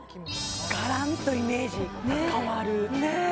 がらんとイメージ変わるね